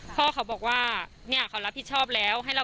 ก็กลายเป็นว่าติดต่อพี่น้องคู่นี้ไม่ได้เลยค่ะ